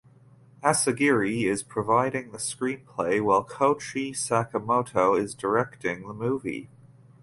Asagiri is providing the screenplay while Koichi Sakamoto is directing the movie.